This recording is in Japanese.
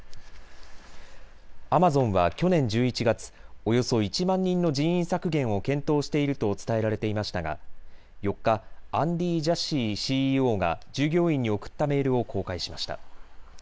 アマゾンは去年１１月、およそ１万人の人員削減を検討していると伝えられていましたが４日、アンディー・ジャシーＣＥＯが従業員に送ったメールを公開しました。